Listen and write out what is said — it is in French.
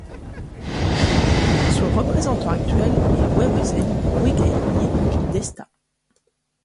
Son représentant actuel est Wewesen Wegayehu Desta.